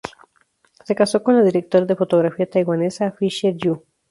Se casó con la directora de fotografía taiwanesa Fisher Yu.